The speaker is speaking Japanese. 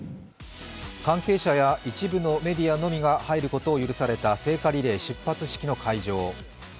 関係者や一部のメディアのみが入ることを許された聖火リレー出発式の模様。